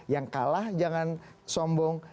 yang kalah jangan sombong